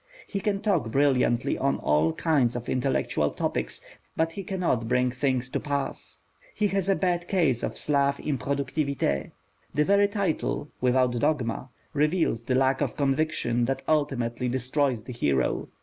He can talk brilliantly on all kinds of intellectual topics, but he cannot bring things to pass. He has a bad case of slave improductivité. The very title, Without Dogma, reveals the lack of conviction that ultimately destroys the hero.